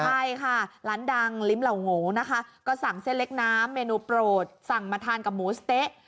ใช่ค่ะร้านดังลิ้มเหล่าโงนะคะก็สั่งเส้นเล็กน้ำเมนูโปรดสั่งมาทานกับหมูสะเต๊ะ